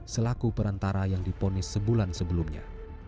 selaku perantara yang diponis sebulan sebelumnya